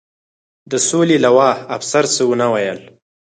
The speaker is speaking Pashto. د سولې لوا، افسر څه و نه ویل.